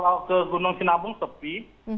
kalau ke gunung sinabung sepi